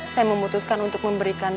saya memutuskan untuk memberikan